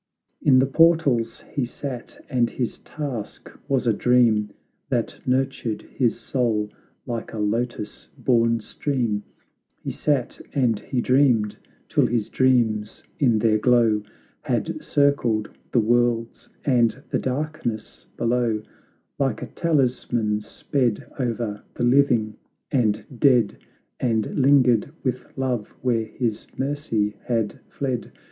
In the portals he sat, and his task was a dream, That nurtured his soul, like a lotus born stream; He sat and he dreamed 'till his dreams in their glow Had circled the worlds and the darkness below; Like a talisman sped o'er the living and dead, And lingered with love where his mercy had fled.